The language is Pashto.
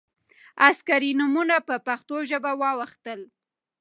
عسکري نومونه په پښتو ژبه واوښتل.